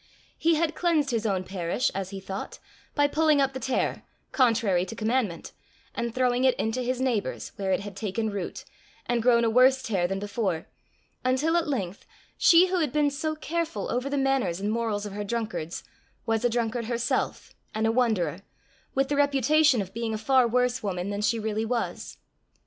He had cleansed his own parish, as he thought, by pulling up the tare, contrary to commandment, and throwing it into his neighbour's, where it had taken root, and grown a worse tare than before; until at length, she who had been so careful over the manners and morals of her drunkards, was a drunkard herself and a wanderer, with the reputation of being a far worse woman than she really was.